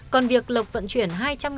còn việc lộc vận chuyển hai trăm linh